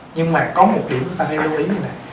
nhưng mà có một điểm chúng ta phải lưu ý như này